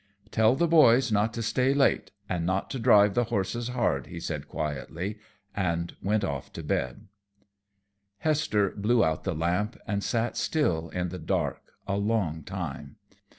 "Tell the boys not to stay late, an' not to drive the horses hard," he said quietly, and went off to bed. Hester blew out the lamp and sat still in the dark a long time.